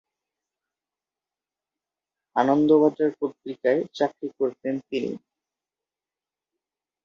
আনন্দবাজার পত্রিকায় চাকরি করতেন তিনি।